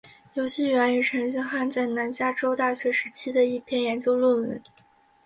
游戏源于陈星汉在南加州大学时期的一篇研究论文。